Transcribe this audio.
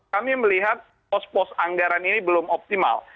kami melihat pos pos anggaran ini belum optimal